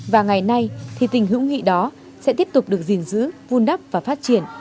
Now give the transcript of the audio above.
và ngày nay thì tình hữu nghị đó sẽ tiếp tục được gìn giữ vun đắp và phát triển